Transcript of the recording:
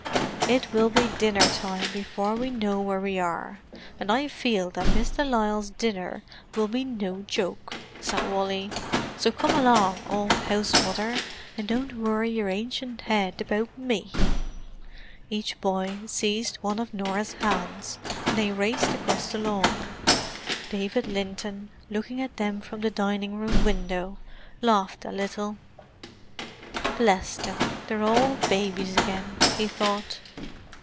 "It will be dinner time before we know where we are—and I feel that Miss de Lisle's dinner will be no joke," said Wally. "So come along, old house mother, and don't worry your ancient head about me." Each boy seized one of Norah's hands and they raced across the lawn. David Linton, looking at them from the dining room window, laughed a little. "Bless them—they're all babies again!" he thought.